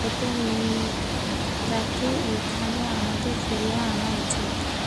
হয়তো মেয়েটাকে এখানে আমাদের ফিরিয়ে আনা উচিত।